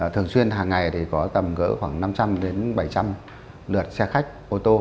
thường xuyên hàng ngày thì có tầm gỡ khoảng năm trăm linh bảy trăm linh lượt xe khách ô tô